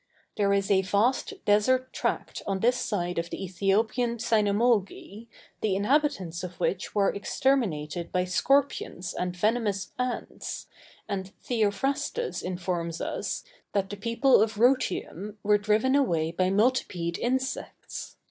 There is a vast desert tract on this side of the Æthiopian Cynamolgi, the inhabitants of which were exterminated by scorpions and venomous ants, and Theophrastus informs us, that the people of Rhœteum were driven away by multipede insects.